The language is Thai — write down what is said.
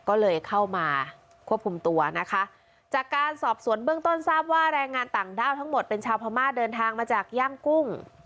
ก็เลยเข้ามาควบคุมตัวนะคะจากการสอบสวนเบื้องต้นทราบว่าแรงงานต่างด้าวทั้งหมดเป็นชาวพม่าเดินทางมาจากย่างกุ้ง